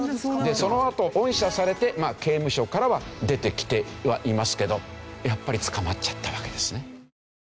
そのあと恩赦されて刑務所からは出てきてはいますけどやっぱり捕まっちゃったわけですね。